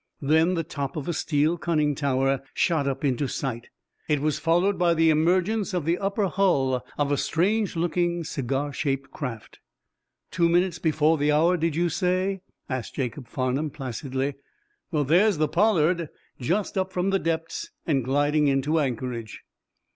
Then the top of a steel conning tower shot up into sight. It was followed by the emergence of the upper hull of a strange looking cigar shaped craft. "Two minutes before the hour, did you say?" asked Jacob Farnum, placidly. "Well, there's the 'Pollard,' just up from the depths, and gliding in to anchorage."